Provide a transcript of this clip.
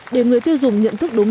để người tiêu dùng nhận thức đúng